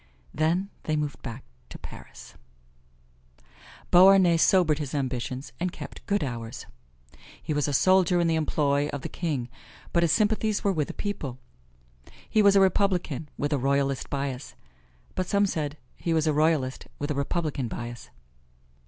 Then they moved back to Paris. Beauharnais sobered his ambitions, and kept good hours. He was a soldier in the employ of the king, but his sympathies were with the people. He was a Republican with a Royalist bias, but some said he was a Royalist with a Republican bias.